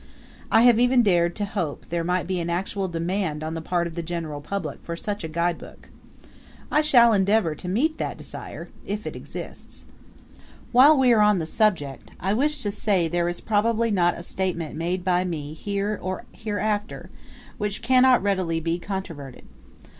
I have even dared to hope there might be an actual demand on the part of the general public for such a guidebook. I shall endeavor to meet that desire if it exists. While we are on the subject I wish to say there is probably not a statement made by me here or hereafter which cannot readily be controverted.